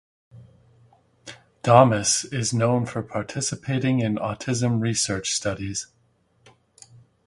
Domus is known for participating in autism research studies.